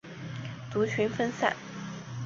族群分散。